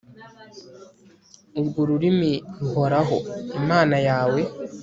urwo rurimi ruhoraho, imana yawe